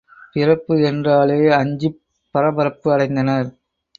பிறப்பு என்றாலே அஞ்சிப் பரபரப்பு அடைந்தனர்.